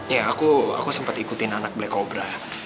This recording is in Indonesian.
ya aku sempat ikutin anak black kobra